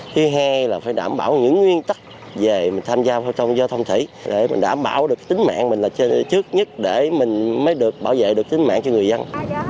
thứ hai là phải đảm bảo những nguyên tắc về mình tham gia giao thông giao thông thủy để mình đảm bảo được tính mạng mình là trước nhất để mình mới được bảo vệ được tính mạng cho người dân